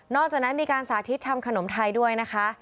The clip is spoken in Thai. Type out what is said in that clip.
จากนั้นมีการสาธิตทำขนมไทยด้วยนะคะ